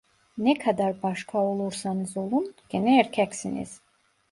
Ne kadar başka olursanız olun, gene erkeksiniz…